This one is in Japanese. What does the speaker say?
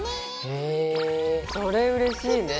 へえそれうれしいね。